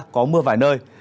có mưa vài nơi